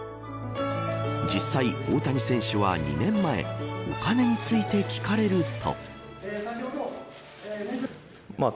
実際、大谷選手は２年前お金について聞かれると。